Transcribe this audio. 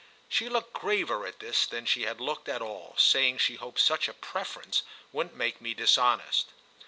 She looked graver at this than she had looked at all, saying she hoped such a preference wouldn't make me dishonest.